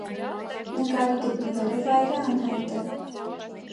Նկարի գտնվելու վայրը անհայտ է։